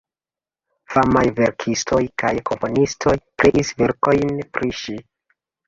Famaj verkistoj kaj komponistoj kreis verkojn pri ŝi.